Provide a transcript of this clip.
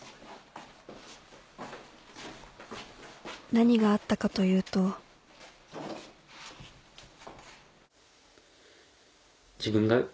何があったかというとやっぱり。